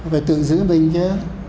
phải tự giữ mình chứ